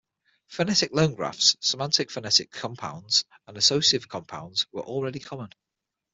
Phonetic loan graphs, semantic-phonetic compounds, and associative compounds were already common.